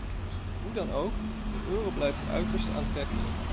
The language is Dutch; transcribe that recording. Hoe dan ook, de euro blijft uiterst aantrekkelijk.